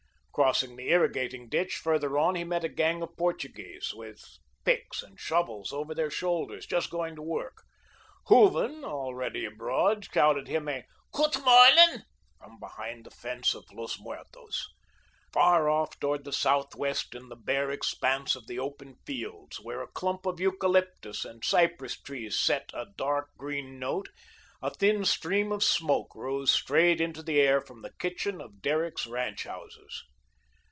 Crossing the irrigating ditch further on, he met a gang of Portuguese, with picks and shovels over their shoulders, just going to work. Hooven, already abroad, shouted him a "Goot mornun" from behind the fence of Los Muertos. Far off, toward the southwest, in the bare expanse of the open fields, where a clump of eucalyptus and cypress trees set a dark green note, a thin stream of smoke rose straight into the air from the kitchen of Derrick's ranch houses.